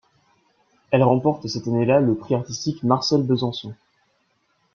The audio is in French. Elle remporte cette année-là le prix artistique Marcel Bezençon.